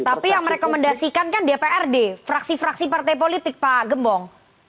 tapi yang merekomendasikan kan dprd fraksi fraksi partai politik pak gembong